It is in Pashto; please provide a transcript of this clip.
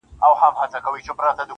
زما خو ټوله زنده گي توره ده.